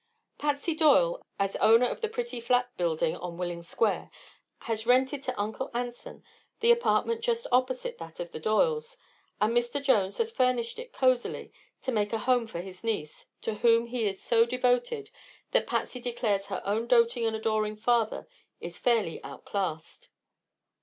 Patsy Doyle, as owner of the pretty flat building on Willing Square, has rented to Uncle Anson the apartment just opposite that of the Doyles, and Mr. Jones has furnished it cosily to make a home for his niece, to whom he is so devoted that Patsy declares her own doting and adoring father is fairly outclassed.